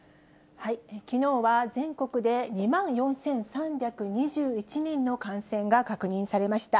きのうは全国で２万４３２１人の感染が確認されました。